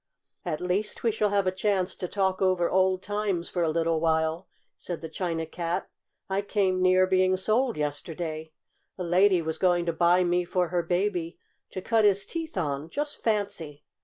"At least we shall have a chance to talk over old times for a little while," said the China Cat. "I came near being sold yesterday. A lady was going to buy me for her baby to cut his teeth on. Just fancy!"